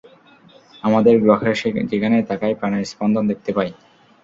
আমাদের গ্রহের যেখানেই তাকাই প্রাণের স্পন্দন দেখতে পাই।